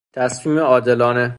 تصمیم عادلانه